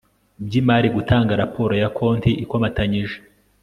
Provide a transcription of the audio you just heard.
by imari gutanga raporo ya konti ikomatanyije